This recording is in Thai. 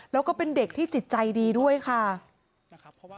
แล้วก็เป็นเด็กที่จิตใจดีด้วยค่ะนะครับ